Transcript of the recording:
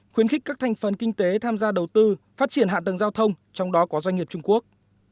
khuyến khích các thành phần kinh tế tham gia đầu tư phát triển hạ tầng giao thông trong đó có doanh nghiệp trung quốc